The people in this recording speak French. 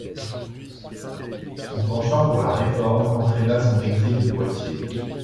Son penchant pour la Réforme entraîna son exil de Poitiers.